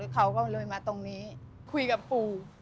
เขาก็เลยมาตรงนี้คุยกับปู่